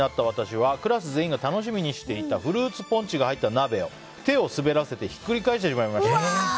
私はクラス全員が楽しみにしていたフルーツポンチの鍋を手を滑らせてひっくり返してしまいました。